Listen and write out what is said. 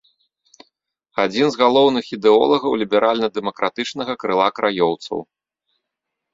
Адзін з галоўных ідэолагаў ліберальна-дэмакратычнага крыла краёўцаў.